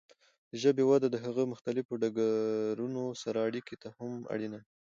د ژبې وده د هغه د مختلفو ډګرونو سره اړیکې ته هم اړینه ده.